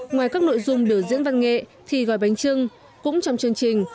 ngoài các nội dung biểu diễn văn nghệ thì gói bánh trưng cũng trong chương trình